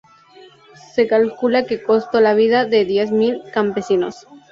Se calcula que costó la vida de diez mil campesinos.